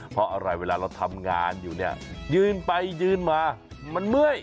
เพราะอะไรเวลาเราทำงานอยู่เนี่ยยืนไปยืนมามันเมื่อย